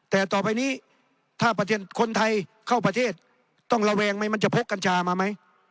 แต่ต่อไปนี้ถ้าประเทศคนไทยเข้าประเทศต้องระแวงไหมมันจะพกกัญชามาไหม